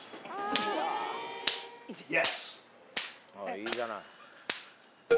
いいじゃない。